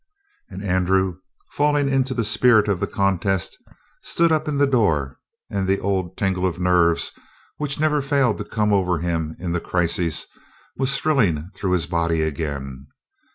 And Andrew, falling into the spirit of the contest, stood up in the door, and the old tingle of nerves, which never failed to come over him in the crisis, was thrilling through his body again.